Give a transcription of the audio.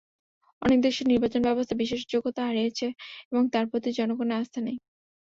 অনেক দেশে নির্বাচনব্যবস্থা বিশ্বাসযোগ্যতা হারিয়েছে এবং তার প্রতি জনগণের আস্থা নেই।